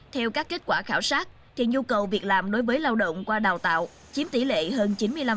theo các kết quả khảo sát nhu cầu việc làm đối với lao động qua đào tạo chiếm tỷ lệ hơn chín mươi năm